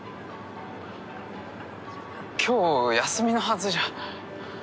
今日休みのはずじゃ。